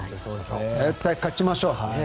絶対、勝ちましょう！